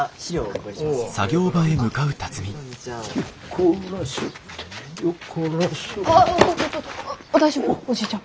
おじいちゃん。